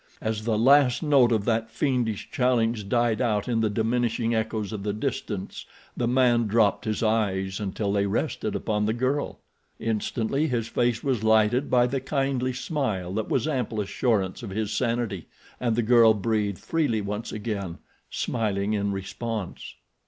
As the last note of that fiendish challenge died out in the diminishing echoes of the distance the man dropped his eyes until they rested upon the girl. Instantly his face was lighted by the kindly smile that was ample assurance of his sanity, and the girl breathed freely once again, smiling in response.